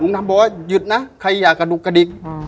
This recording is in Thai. ลุงดำบอกว่ายึดนะใครอยากกระดุกกระดิกอืม